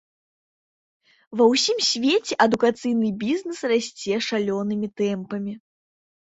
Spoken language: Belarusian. Ва ўсім свеце адукацыйны бізнэс расце шалёнымі тэмпамі.